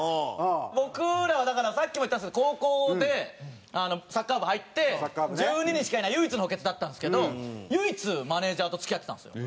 僕らはだからさっきも言ったんですけど高校でサッカー部入って１２人しかいない唯一の補欠だったんですけど唯一マネジャーと付き合ってたんですよ。